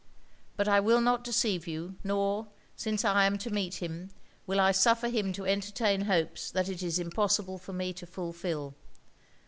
But I will not deceive you; nor, since I am to meet him, will I suffer him to entertain hopes that it is impossible for me to fulfil.